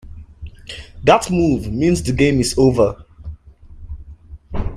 That move means the game is over.